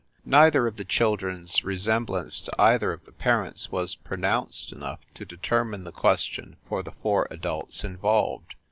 Neither of the children s resemblance to either of the parents was pronounced enough to determine the question for the four adults involved.